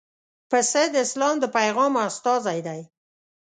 پسه د اسلام د پیغام استازی دی.